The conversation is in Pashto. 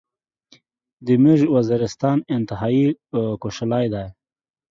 دې ميژ وزيرستان انتهایی کوشلاي داي